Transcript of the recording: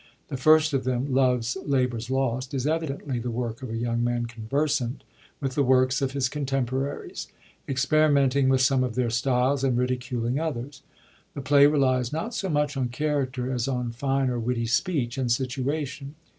The first of them. Love's Labour's Lost, is evidently the work of a young man conversant with the works of his contemporaries, experimenting with some of their styles and ridiculing others. The play relies not so much on character as on fine or witty speech and situation.